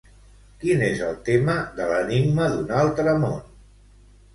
Quin és el tema de L'enigma d'un altre món?